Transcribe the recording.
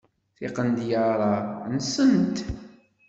Tiqendyar-a nsent.